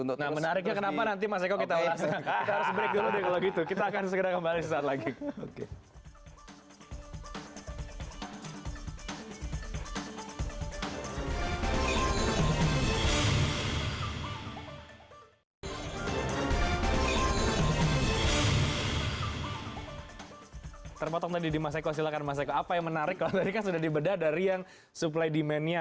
nah menariknya kenapa nanti mas eko kita ulasin